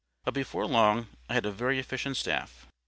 But before long, I had a very efficient staff.